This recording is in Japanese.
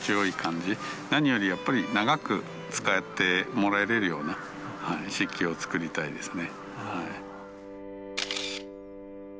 何よりやっぱり長く使ってもらえるような漆器を作りたいですね。